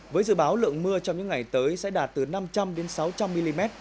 với dự báo lượng mưa trong những ngày tới sẽ đạt từ năm trăm linh sáu trăm linh mm